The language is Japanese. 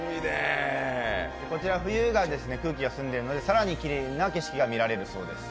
こちら冬が空気が澄んでいるので更にきれいな景色が見られるそうです。